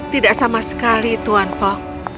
tidak sama sekali tuan fok